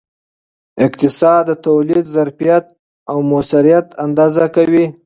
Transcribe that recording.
اقتصاد د تولید ظرفیت او موثریت اندازه کوي.